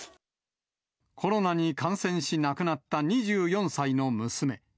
コロナに感染し亡くなった２４歳の娘。